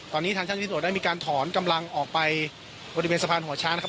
ตอนนี้ทางเจ้าหน้าที่ตรวจได้มีการถอนกำลังออกไปบริเวณสะพานหัวช้างนะครับ